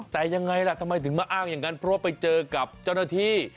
แต่ยังไงล่ะทำไมถึงมาอ้างอย่างนั้นเพราะว่าไปเจอกับเจ้าหน้าที่